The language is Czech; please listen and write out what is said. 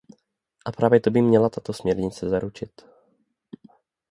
A právě to by měla tato směrnice zaručit.